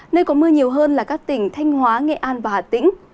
nơi có mưa nhiều hơn là các tỉnh thanh hóa nghệ an và hà tĩnh